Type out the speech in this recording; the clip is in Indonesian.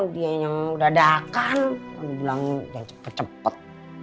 dia yang dadakan dia bilang cepet cepet